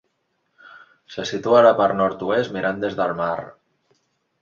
Se situa a la part nord-oest mirant des del mar.